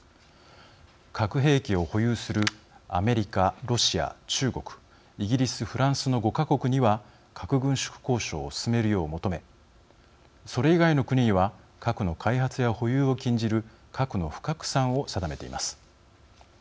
核兵器を保有するアメリカ、ロシア、中国イギリス、フランスの５か国には核軍縮交渉を進めるよう求めそれ以外の国には核の開発や保有を禁じる核の不拡散を定めています。